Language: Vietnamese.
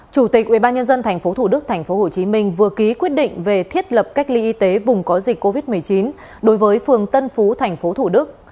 chủ tịch ubnd tp thủ đức tp hcm vừa ký quyết định về thiết lập cách ly y tế vùng có dịch covid một mươi chín đối với phường tân phú tp thủ đức